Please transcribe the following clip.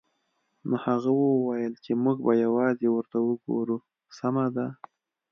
نو هغه وویل چې موږ به یوازې ورته وګورو سمه ده